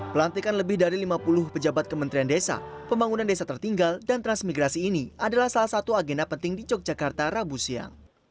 pelantikan lebih dari lima puluh pejabat kementerian desa pembangunan desa tertinggal dan transmigrasi ini adalah salah satu agenda penting di yogyakarta rabu siang